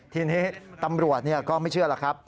ทีนี้ตำรวจก็ไม่เชื่อล่ะครับ